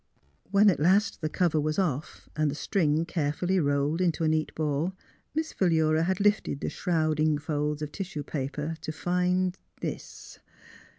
When at last the cover was off, and the string carefully rolled into a neat ball, Miss Pliilura had lifted the shrouding folds of tissue paper to find — this